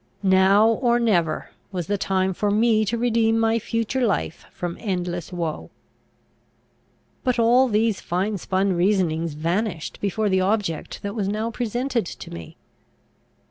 Now or never was the time for me to redeem my future life from endless woe. But all these fine spun reasonings vanished before the object that was now presented to me.